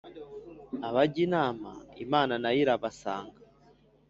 abajya inama imana nayo irabasanga